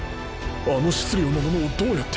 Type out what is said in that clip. あの質量のものをどうやって。